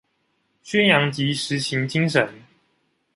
宣揚及實行精神